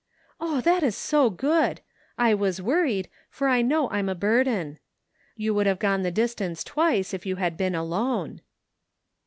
" Oh, that is so good ! I was worried, for I know I'm a burden. You would have gone the distance twice if you had been alone."